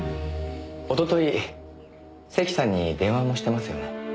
一昨日関さんに電話もしてますよね。